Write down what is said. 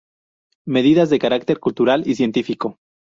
Medidas de carácter cultural y científico.